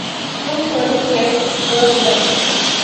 Two further Tests were played.